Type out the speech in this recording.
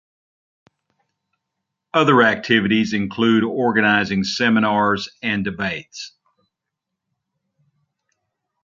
Other activities include organizing seminars and debates.